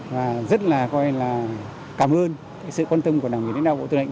và rất là coi là cảm ơn sự quan tâm của đảng ủy lãnh đạo bộ tư lệnh